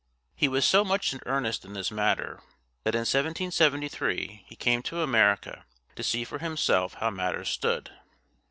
He was so much in earnest in this matter, that in 1773 he came to America to see for himself how matters stood.